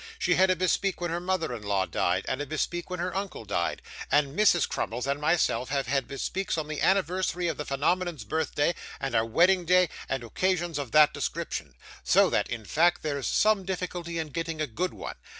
She had a bespeak when her mother in law died, and a bespeak when her uncle died; and Mrs. Crummles and myself have had bespeaks on the anniversary of the phenomenon's birthday, and our wedding day, and occasions of that description, so that, in fact, there's some difficulty in getting a good one.